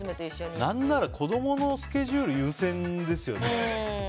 何なら子供のスケジュール優先ですよね。